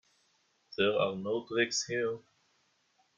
There are no tricks here.